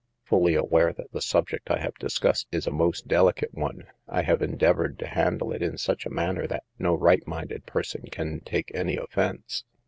Fully aware that the subject I have discussed is a most delicate one, I have endeavored to handle it in such a manner that no right minded person can take any offense.